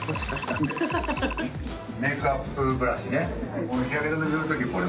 メイクアップブラシね。